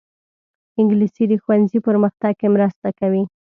انګلیسي د ښوونځي پرمختګ کې مرسته کوي